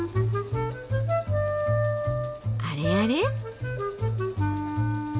あれあれ？